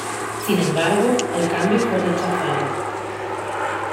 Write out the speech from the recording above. Sin embargo, el cambio fue rechazado.